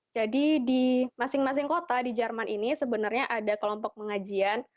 jadi di masing masing kota di jerman ini sebenarnya ada kelompok pengajian